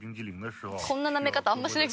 こんななめ方あんましない。